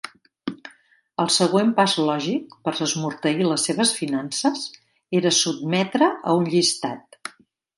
El següent pas lògic per esmorteir les seves finances era sotmetre a un llistat.